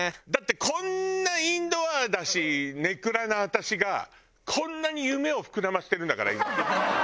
だってこんなインドアだし根暗な私がこんなに夢を膨らませてるんだから今。